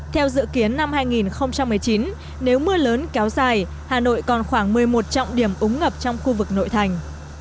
theo dự kiến năm hai nghìn một mươi chín nếu mưa lớn kéo dài hà nội còn khoảng một mươi một trọng điểm úng ngập trong khu vực nội thành